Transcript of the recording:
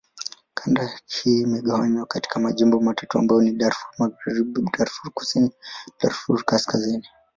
Kanda hii imegawanywa katika majimbo matatu ambayo ni: Darfur Magharibi, Darfur Kusini, Darfur Kaskazini.